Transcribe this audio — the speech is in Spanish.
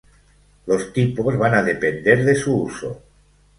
Los tipos van a depender de su uso.